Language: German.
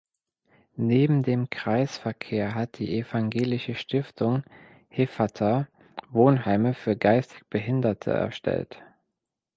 Neben dem Kreisverkehr hat die Evangelische Stiftung Hephata Wohnheime für geistig Behinderte erstellt.